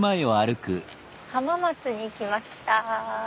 浜松に来ました。